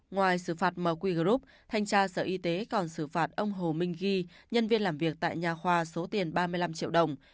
ngoài xử phạt mqup thanh tra sở y tế còn xử phạt ông hồ minh ghi nhân viên làm việc tại nhà khoa số tiền ba mươi năm triệu đồng